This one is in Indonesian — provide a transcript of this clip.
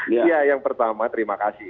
iya yang pertama terima kasih